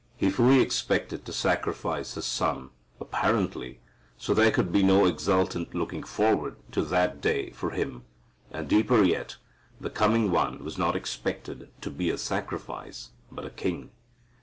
He fully expected to sacrifice his son, apparently, so there could be no exultant looking forward to that day for him. And deeper yet, the coming One was not expected to be a sacrifice, but a king.